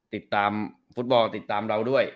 ติดตามฟุตบอลติดตามเราด้วย